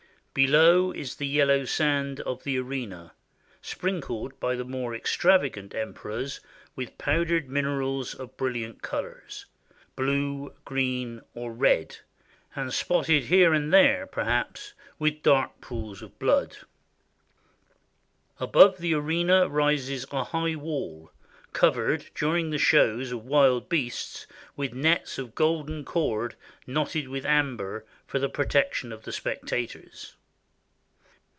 Below is the yellow sand of the arena, sprinkled by the more extravagant emperors with powdered minerals of brilliant colors, — blue, green, or red, — and spotted here and there, perhaps, with dark pools of blood. Above the arena rises a high wall, covered, during the shows of wild beasts, with nets of golden cord knotted with amber, for the protection of the spectators.